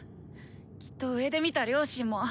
きっと上で見た両親も。